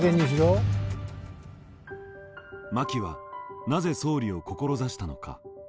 真木はなぜ総理を志したのか。